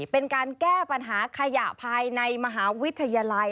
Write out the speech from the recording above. เป็นการแก้ปัญหาขยะภายในมหาวิทยาลัย